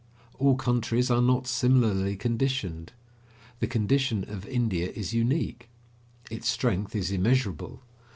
All countries are not similarly conditioned. The condition of India is unique. Its strength is immeasurable.